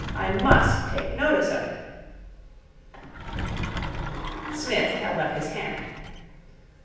I must take notice of it.' Psmith held up his hand.